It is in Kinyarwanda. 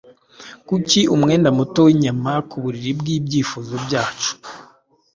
Kuki umwenda muto w'inyama ku buriri bw'ibyifuzo byacu? '